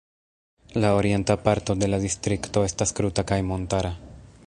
La orienta parto de la Distrikto estas kruta kaj montara.